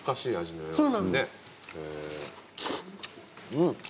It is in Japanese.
うん。